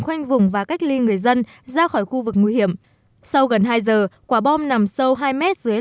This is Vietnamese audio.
khoanh vùng và cách ly người dân ra khỏi khu vực nguy hiểm sau gần hai giờ quả bom nằm sâu hai mét dưới